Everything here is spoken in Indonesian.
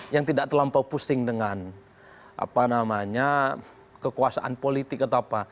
yang tidak terlampau pusing dengan kekuasaan politik atau apa